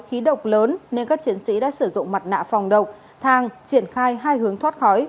khí độc lớn nên các chiến sĩ đã sử dụng mặt nạ phòng độc thang triển khai hai hướng thoát khói